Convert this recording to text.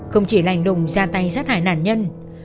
không chỉ lành lùng ra tay sát hại nạn nhân